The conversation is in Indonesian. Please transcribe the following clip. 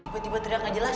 tiba tiba teriak gak jelas